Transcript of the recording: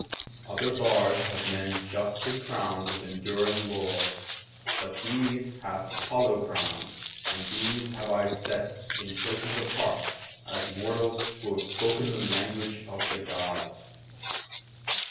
Other bards have men justly crowned with enduring laurels, but these hath Apollo crowned, and these have I set in places apart, as mortals who have spoken the language of the Gods.